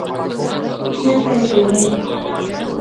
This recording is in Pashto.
چیرته یی پیرئ؟